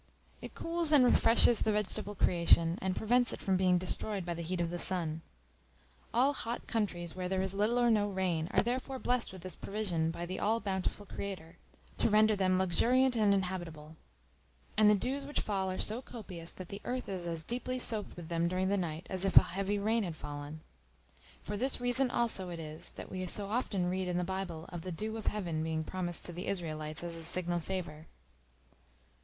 It cools and refreshes the vegetable creation, and prevents it from being destroyed by the heat of the sun. All hot countries where there is little or no rain are therefore blessed with this provision by the all bountiful Creator, to render them luxuriant and inhabitable; and the dews which fall are so copious, that the earth is as deeply soaked with them during the night as if a heavy rain had fallen. For this reason also it is, that we so often read in the Bible of the "dew of Heaven" being promised to the Israelites as a signal favor.